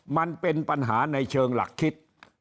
มันเป็นปัญหาในเชิงหลักคิด